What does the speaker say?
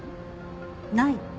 ない？